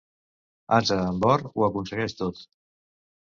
Ase amb or ho aconsegueix tot.